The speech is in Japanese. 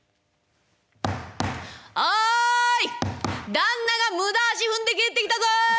旦那が無駄足踏んで帰ってきたぞ！